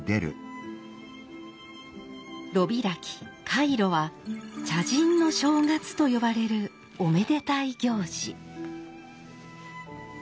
炉開き開炉は「茶人の正月」と呼ばれるおめでたい行事。